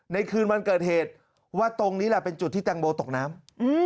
คืนวันเกิดเหตุว่าตรงนี้แหละเป็นจุดที่แตงโมตกน้ำ